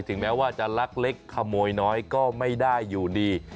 แม้ว่าจะลักเล็กขโมยน้อยก็ไม่ได้อยู่ดี